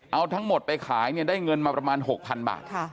เอาทั้งหมดไปขายเนี่ยได้เงินมาประมาณ๖๐๐๐บาท